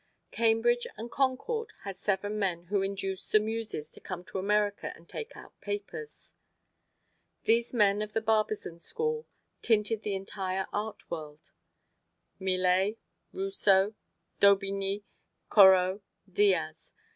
Cambridge and Concord had seven men who induced the Muses to come to America and take out papers. These men of the Barbizon School tinted the entire art world: Millet, Rousseau, Daubigny, Corot, Diaz.